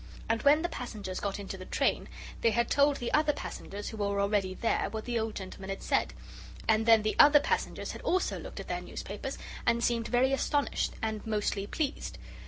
And when the passengers got into the train, they had told the other passengers who were already there what the old gentleman had said, and then the other passengers had also looked at their newspapers and seemed very astonished and, mostly, pleased.